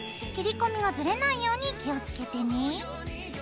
切り込みがズレないように気をつけてね。